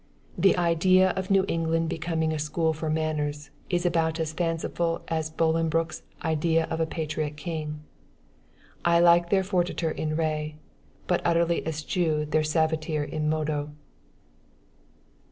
The idea of New England becoming a school for manners, is about as fanciful as Bolinbroke's "idea of a patriot king." I like their fortiter in re, but utterly eschew their suaviter in modo.